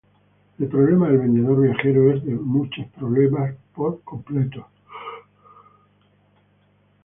El problema del vendedor viajero es uno de muchos problemas P-completos.